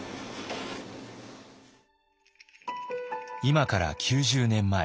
今から９０年前。